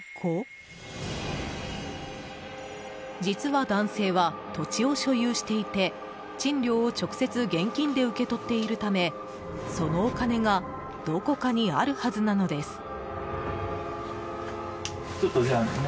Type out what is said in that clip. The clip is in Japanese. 実は、男性は土地を所有していて賃料を直接現金で受け取っているためそのお金がどこかにあるはずなのです。